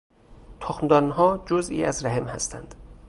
تخمدانها جزئی از رحم هستند.